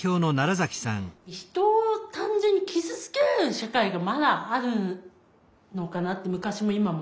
人を単純に傷つける社会がまだあるのかなって昔も今も。